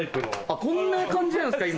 あっこんな感じなんですか？